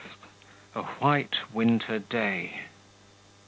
A white winter day.